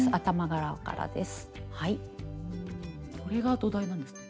これが土台になるんですね。